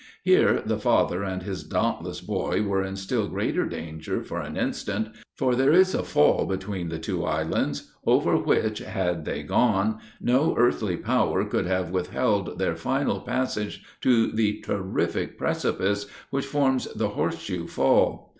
Here the father and his dauntless boy were in still greater danger for an instant; for there is a fall between the two islands, over which had they gone, no earthly power could have withheld their final passage to the terrific precipice, which forms the Horse shoe Fall.